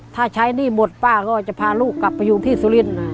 ถ้าใช้หนี้หมดป้าก็จะพาลูกกลับไปอยู่ที่สุรินทร์